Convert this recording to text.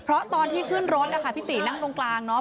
เพราะตอนที่ขึ้นรถนะคะพี่ตินั่งตรงกลางเนาะ